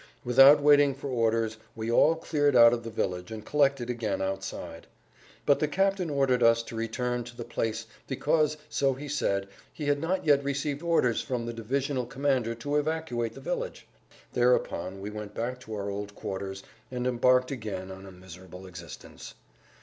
Without waiting for orders we all cleared out of the village and collected again outside. But the captain[Pg 136] ordered us to return to the place because, so he said, he had not yet received orders from the divisional commander to evacuate the village. Thereupon we went back to our old quarters and embarked again on a miserable existence.